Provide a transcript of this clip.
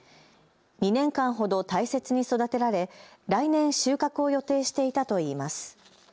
２年間ほど大切に育てられ来年収穫を予定していたといいます。